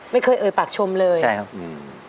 ไม่เคยเอ่ยปากชมเลยใช่ครับอืม